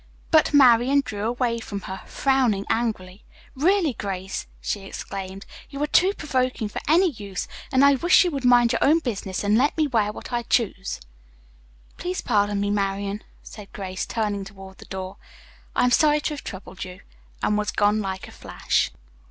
But Marian drew away from her, frowning angrily. "Really, Grace," she exclaimed, "you are too provoking for any use, and I wish you would mind your own business and let me wear what I choose." "Please pardon me, Marian," said Grace, turning toward the door. "I am sorry to have troubled you," and was gone like a flash.